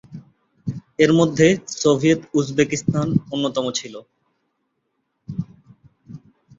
এর মধ্যে Soviet Uzbekistan অন্যতম ছিল।